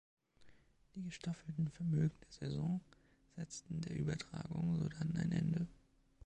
Die gestaffelten Vermögen der Saison setzten der Übertragung sodann ein Ende.